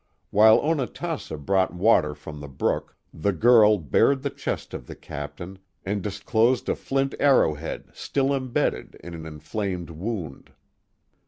While Onatassa brought water from the brook, the girl bared the 250 The Mohawk Valley chest of the captain and disclosed a flint arrowhead still im bedded in an inflamed wound.